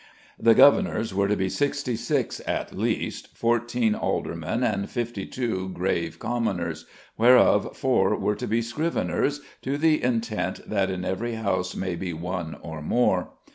The governors were to be sixty six at least, fourteen aldermen and fifty two grave commoners, whereof four were to be scriveners, "to the intent that in every house may be one or more."